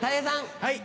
はい。